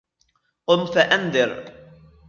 قم فأنذر